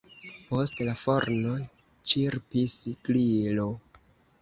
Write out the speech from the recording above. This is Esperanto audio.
Post la forno ĉirpis grilo.